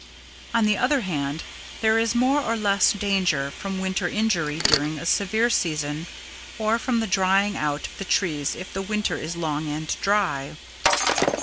On the other hand there is more or less danger from Winter injury during a severe season or from the drying out of the trees if the Winter is long and dry.